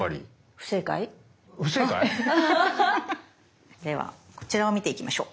不正解？ではこちらを見ていきましょう。